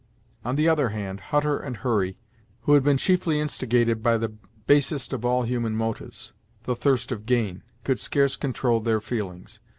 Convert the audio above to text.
On the other hand, Hutter and Hurry, who had been chiefly instigated by the basest of all human motives, the thirst of gain, could scarce control their feelings.